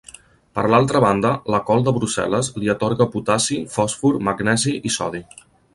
Per l'altra banda la col de Brussel·les li atorga potassi, fòsfor, magnesi i sodi.